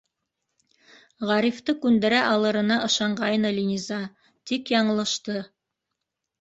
Ғарифты күндерә алырына ышанғайны Линиза, тик яңылышты.